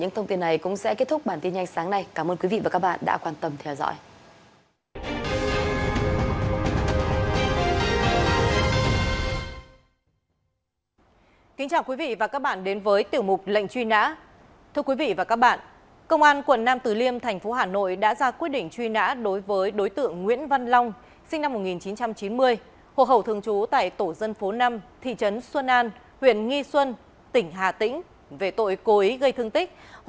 thông tin này cũng sẽ kết thúc bản tin nhanh sáng nay cảm ơn quý vị và các bạn đã quan tâm theo dõi